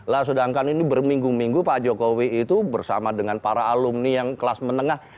lah sedangkan ini berminggu minggu pak jokowi itu bersama dengan para alumni yang kelas menengah